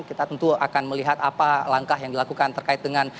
kita tentu akan melihat apa langkah yang dilakukan terkait dengan